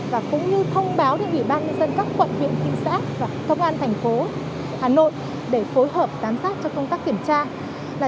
và cũng như thông báo cho ủy ban nhân dân các quận huyện thị xã và công an thành phố hà nội để phối hợp giám sát cho công tác kiểm tra